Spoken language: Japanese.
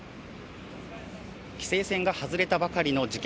規制線が外れたばかりの事件